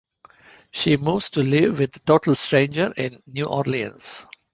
She moves to live with a total stranger in New Orleans.